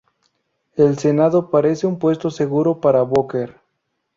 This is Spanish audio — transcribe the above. El Senado parece un puesto seguro para Booker.